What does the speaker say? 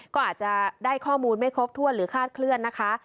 ก็อาจจะได้ข้อมูลไม่ครบถ้วนหรือคาดเคลื่อนนะคะ